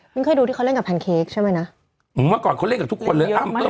เคยดูที่เขาเล่นกับแพนเค้กใช่ไหมนะเมื่อก่อนเขาเล่นกับทุกคนเลยอ้ำ